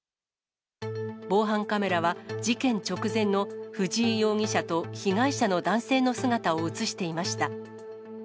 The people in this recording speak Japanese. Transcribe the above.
防犯カメラは、事件直前の藤井容疑者と被害者の男性の姿を写していました。